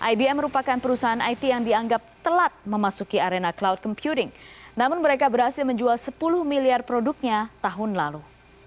ibm merupakan perusahaan it yang dianggap telat memasuki arena cloud computing namun mereka berhasil menjual sepuluh miliar produknya tahun lalu